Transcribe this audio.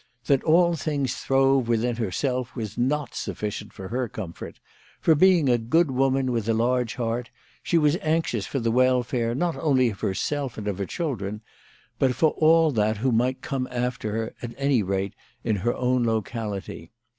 That all things throve with herself was not sufficient for her comfort ; for, being a good woman with a large heart, she was anxious for the welfare not only of herself and of her children, but for that of all who might come after her, at any rate in her own locality.